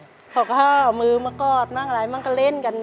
เขาก็เอามือมากอดมั่งอะไรมั่งก็เล่นกัน